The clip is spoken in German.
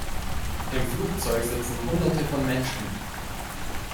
Im Flugzeug sitzen hunderte von Menschen.